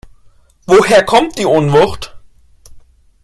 Woher kommt die Unwucht?